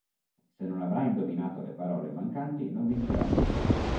Se non avrà indovinato le parole mancanti non vincerà nulla.